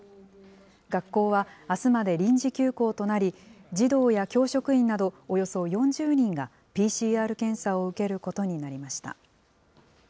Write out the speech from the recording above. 学校はあすまで臨時休校となり、児童や教職員などおよそ４０人がＰＣＲ検査を受けることになりました。